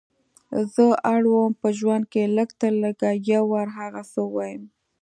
زه اړه وم په ژوند کې لږ تر لږه یو وار هغه څه ووایم.